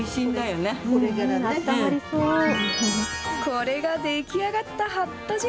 これが出来上がったはっと汁。